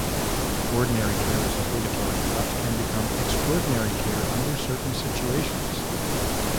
Ordinary care is obligatory, but can become extraordinary care under certain situations.